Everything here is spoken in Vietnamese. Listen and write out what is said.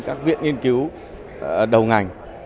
các viện nghiên cứu đầu ngành